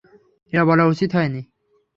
এটা বলা উচিত হয়নি।